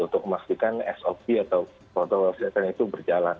untuk memastikan sop atau protokol kesehatan itu berjalan